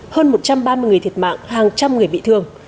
hơn một trăm ba mươi người thiệt mạng hàng trăm người bị thương